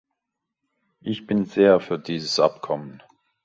Ich bin sehr für dieses Abkommen.